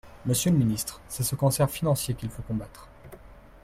Monsieur le ministre, c’est ce cancer financier qu’il faut combattre.